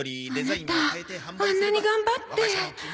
アナタあんなに頑張って